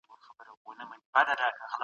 ایا کورني سوداګر ممیز پروسس کوي؟